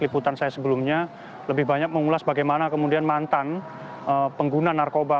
liputan saya sebelumnya lebih banyak mengulas bagaimana kemudian mantan pengguna narkoba